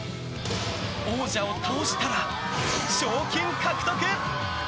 王者を倒したら、賞金獲得！